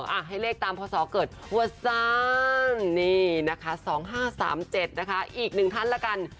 อ่าให้เลขตามพอสอเกิดวัสซานนี่นะคะสองห้าสามเจ็ดนะคะอีกหนึ่งทันแล้วกัน